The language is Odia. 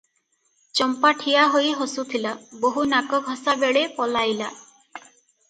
ଚମ୍ପା ଠିଆ ହୋଇ ହସୁଥିଲା, ବୋହୂ ନାକଘଷା ବେଳେ ପଳାଇଲା ।